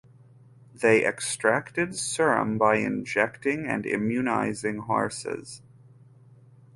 They extracted serum by injecting and immunizing horses.